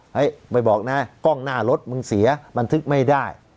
ไปบอกนะกล้องหน้ารถมึงเสียบันทึกไม่ได้